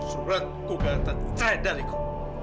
surat kugatan terhadaliku